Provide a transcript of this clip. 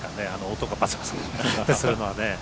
音がバサバサってするのはね。